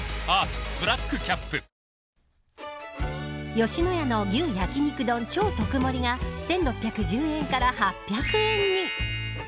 吉野家の牛焼肉丼超特盛が１６１０円から８００円に。